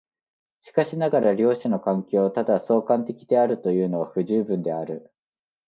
しかしながら両者の関係をただ相関的であるというのは不十分である。